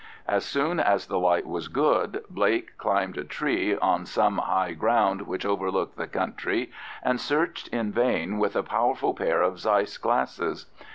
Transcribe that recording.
As soon as the light was good, Blake climbed a tree on some high ground which overlooked the country, and searched in vain with a powerful pair of Zeiss glasses.